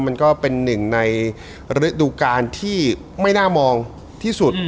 มันก็เป็นหนึ่งในฤดูกาลที่ไม่น่ามองที่สุด